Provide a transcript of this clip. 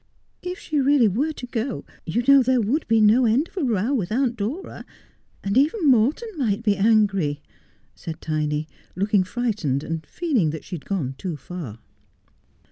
' If she really were to go, you know, there would be no end of a I'ow with Aunt Dora ; and even Morton might be angry,' said Tiny, looking frightened, and feeling that she had gone too far.